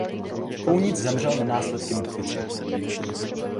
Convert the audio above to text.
Kounic zemřel na následky mrtvice.